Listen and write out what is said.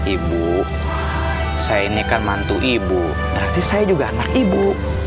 ibu saya ini kan mantu ibu berarti saya juga anak ibu